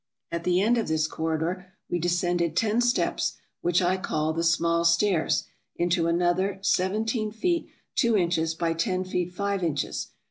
At the end of this corridor we descended ten steps, which I call the small stairs, into another, seventeen feet two inches by ten feet five inches.